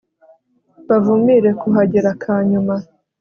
bavumire kugahera kanyuma